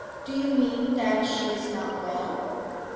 'Do you mean that she is not well?'